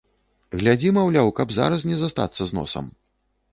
Глядзі, маўляў, каб зараз не застацца з носам!